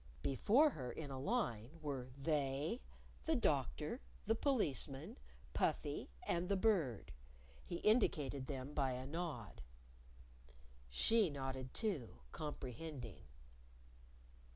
Before her, in a line, were They, the Doctor, the Policeman, Puffy and the Bird. He indicated them by a nod. She nodded too, comprehending.